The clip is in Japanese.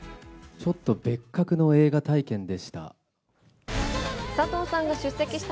ちょっと別格の映画体験でした。